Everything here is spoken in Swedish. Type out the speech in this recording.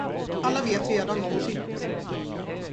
Alla vet redan vad hon tycker.